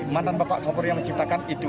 mantan bapak kapolri yang menciptakan itu